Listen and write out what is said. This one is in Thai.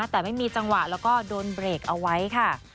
แต่ไม่มีจังหวะแล้วก็โดนเบรกเอาไว้ค่ะ